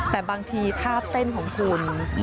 แต่บางทีท่าเต้นของคุณ